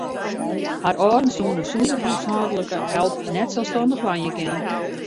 Har âlden soene sûnder húshâldlike help net selsstannich wenje kinne.